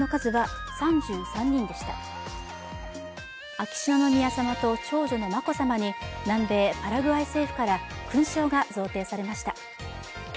秋篠宮さまと長女の眞子さまに南米パラグアイ政府から勲章が贈呈されました。